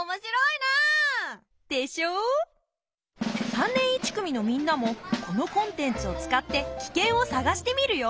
３年１組のみんなもこのコンテンツを使ってキケンを探してみるよ。